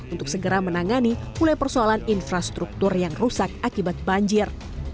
untuk segera menangani mulai persoalan infrastruktur yang rusak akibat banjir